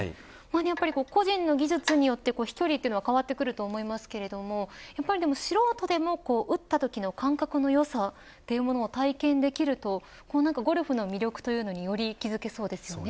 やっぱり個人の技術によって飛距離というのは変わってくると思いますがやっぱり素人でも打ったときの感覚の良さというものを体験できると何かゴルフの魅力というのにより気付けそうですね。